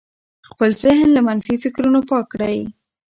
خپل ذهن له منفي فکرونو پاک کړئ.